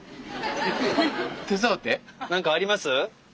何かあります？